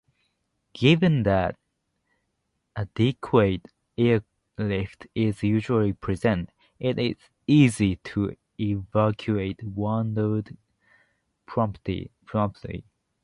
Given that adequate "airlift" is usually present, it is easy to evacuate wounded promptly.